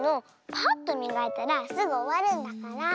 パッとみがいたらすぐおわるんだから。